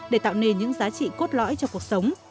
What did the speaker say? để tạo nên những giá trị cốt lõi cho cuộc sống